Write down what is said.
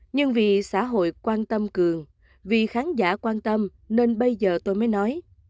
nhưng vì xã hội quan tâm cường vì khán giả quan tâm nên bây giờ tôi mới nói